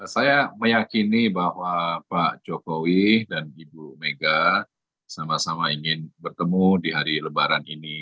saya meyakini bahwa pak jokowi dan ibu mega sama sama ingin bertemu di hari lebaran ini